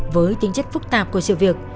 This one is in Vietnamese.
với tính chất phức tạp của sự việc